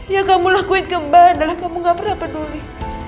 yang kamu lakuin ke mbak adalah kamu gak pernah peduli